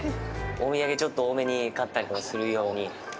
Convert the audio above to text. お土産ちょっと多めに買ったりとかする用に。